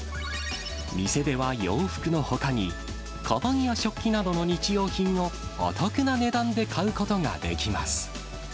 店では洋服のほかに、かばんや食器などの日用品をお得な値段で買うことができます。